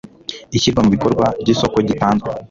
ishyirwa mu bikorwa ry isoko gitanzwe